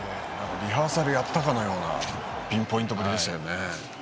リハーサルをしたようなピンポイントぶりでしたね。